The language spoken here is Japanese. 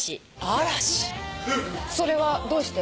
それはどうして？